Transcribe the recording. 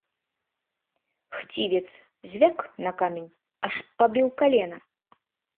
Хцівец звяк на камень, аж пабіў калена.